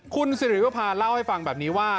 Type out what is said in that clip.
คุณสิริวภาเล่าให้ฟังแบบนี้ว่า